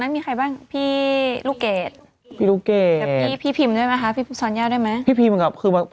มันต่อกันไปอะไรอย่างนี้นะคะ